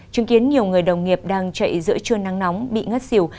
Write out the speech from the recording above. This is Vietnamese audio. chứng kiến nhiều người đồng nghiệp đang chạy giữa trưa nắng nóng bị ngất xỉu